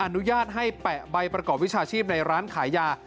อนุญาตให้แปะใบประกอบวิชาชีพในร้านขายยา